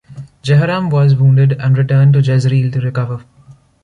Jehoram was wounded and returned to Jezreel to recover.